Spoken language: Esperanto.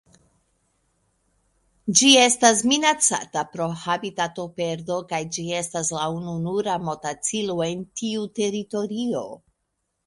Ĝi estas minacata pro habitatoperdo kaj ĝi estas la ununura motacilo en tiu teritorio.